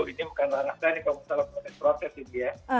ini bukan langsung salah proses proses ini ya